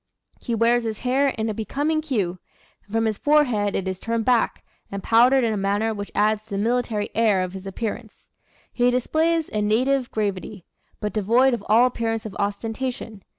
He wears his hair in a becoming cue, and from his forehead it is turned back, and powdered in a manner which adds to the military air of his appearance. He displays a native gravity, but devoid of all appearance of ostentation.